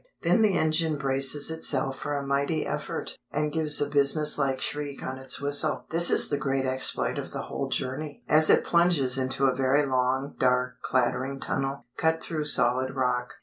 Then the engine braces itself for a mighty effort, and gives a business like shriek on its whistle (this is the great exploit of the whole journey) as it plunges into a very long, dark, clattering tunnel, cut through solid rock.